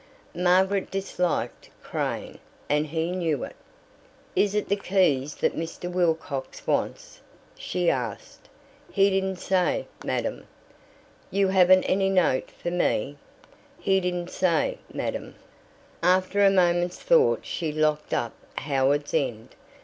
Margaret disliked Crane, and he knew it. "Is it the keys that Mr. Wilcox wants?" she asked. "He didn't say, madam." "You haven't any note for me?" "He didn't say, madam." After a moment's thought she locked up Howards End.